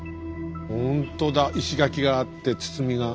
ほんとだ石垣があって堤が。